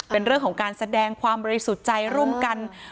เป็นเรื่องของการแสดงความบริสุทธิ์ใจร่วมกัน